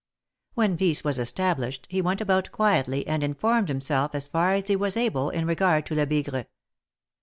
When peace was established, he went about quietly and informed himself as far as he was able in regard to Lebigre.